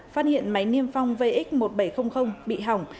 phát hiện máy niêm phong vx một nghìn bảy trăm linh bị hỏng